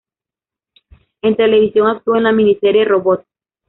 En televisión actuó en la miniserie "¡Robot!